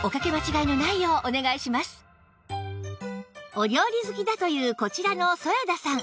お料理好きだというこちらの添田さん